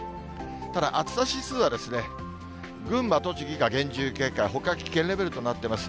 ただ暑さ指数は、群馬、栃木が厳重警戒、ほか危険レベルとなってます。